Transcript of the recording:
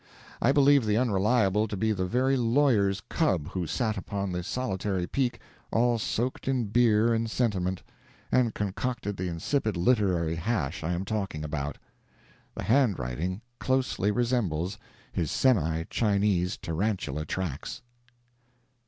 I believe the Unreliable to be the very lawyer's cub who sat upon the solitary peak, all soaked in beer and sentiment, and concocted the insipid literary hash I am talking about. The handwriting closely resembles his semi Chinese tarantula tracks.